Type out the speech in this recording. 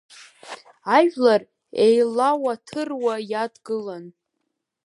Ажәлар еилауаҭыруа иадгылан.